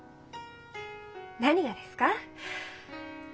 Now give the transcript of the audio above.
何がですか？